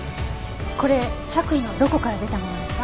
これ着衣のどこから出たものですか？